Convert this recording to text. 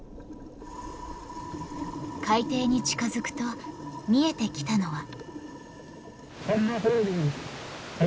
海底に近づくと見えてきたのは。